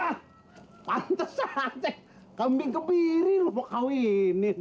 ah pantes aja kambing kebiri lu mau kawinin